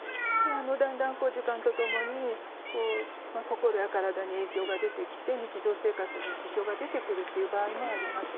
だんだん時間とともに心や体に影響が出てきて日常生活に支障が出てくるという場合もあります。